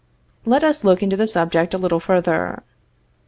Let us look into the subject a little further.